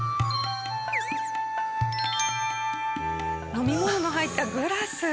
飲み物の入ったグラス。